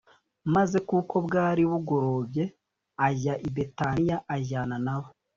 maze kuko bwari bugorobye ajya i Betaniya ajyana nabo